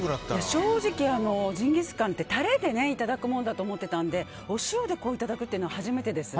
正直、ジンギスカンってタレでいただくものだと思ってたのでお塩でいただくっていうのは初めてです。